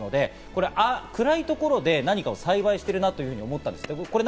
暗いところで何かを栽培してるなって思ったんですけど。